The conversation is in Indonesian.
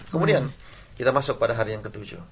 kemudian kita masuk pada hari yang ke tujuh